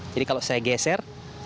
jadi kalau saya geser